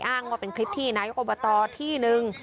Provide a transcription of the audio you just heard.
อ้างว่าเป็นคลิปที่นายกอบตที่นึง